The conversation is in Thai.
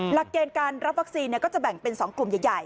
หลักเกณฑ์การรับวัคซีนก็จะแบ่งเป็น๒กลุ่มใหญ่